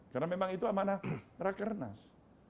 karena memang itu amana raker nas